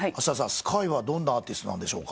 Ｓｋａａｉはどんなアーティストなんでしょうか？